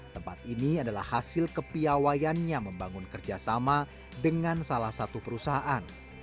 tempat ini adalah hasil kepiawayannya membangun kerjasama dengan salah satu perusahaan